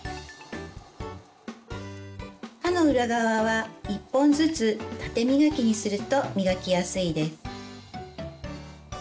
歯の裏側は１本ずつ縦磨きにすると磨きやすいです。